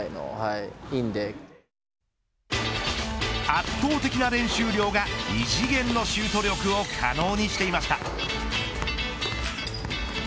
圧倒的な練習量が異次元のシュート力を可能にしていました。